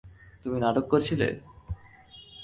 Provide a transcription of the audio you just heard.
তুমি নাটক করছিলে?